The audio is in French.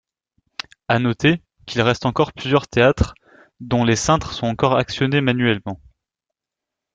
A noté, qu'ils restent encore plusieurs théâtres, dont les cintres sont encore actionné manuellement.